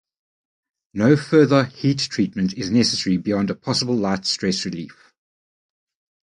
No further heat treatment is necessary beyond a possible light stress relief.